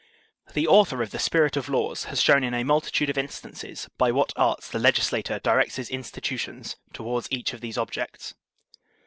The author of the ^ Spirit of the Laws * has shown in a multitude of instances by what arts the legislator directs his insti tutions toward each of these objects.